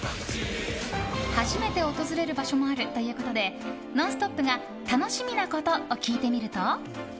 初めて訪れる場所もあるということで「ノンストップ！」が楽しみなことを聞いてみると。